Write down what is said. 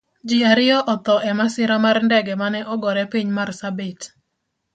Ji ariyo otho emasira mar ndege mane ogore piny marsabit